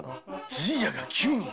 じいやが９人。